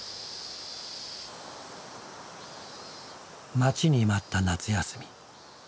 待ちに待った夏休み。